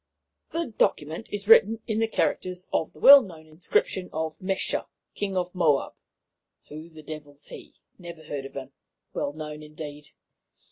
"'The document is written in the characters of the well known inscription of Mesha, King of Moab' (who the devil's he? Never heard of him. Well known, indeed!)